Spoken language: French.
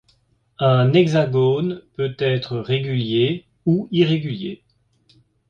Un hexagone peut être régulier ou irrégulier.